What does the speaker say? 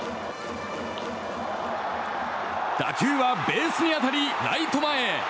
打球はベースに当たりライト前へ。